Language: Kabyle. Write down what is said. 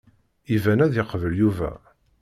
Iban ad yeqbel Yuba.